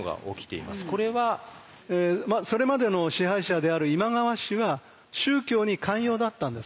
これは？それまでの支配者である今川氏は宗教に寛容だったんです。